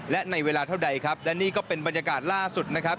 และในเวลาเท่าใดครับและนี่ก็เป็นบรรยากาศล่าสุดนะครับ